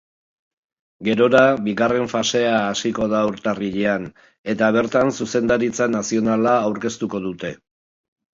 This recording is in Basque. Gerora, bigarren fasea hasiko da urtarrilean eta bertan zuzendaritza nazionala aukeratuko dute.